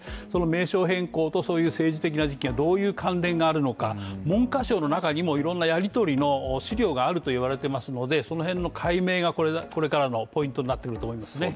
名称変更と政治的な時期がどういう関連があるのか、文科省の中にもいろんなやりとりの資料があるといわれていますのでその辺の解明がこれからのポイントになってくると思いますね。